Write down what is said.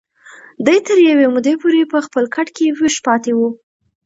دی تر یوې مودې پورې په خپل کټ کې ویښ پاتې و.